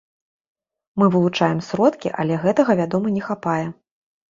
Мы вылучаем сродкі, але гэтага, вядома, не хапае.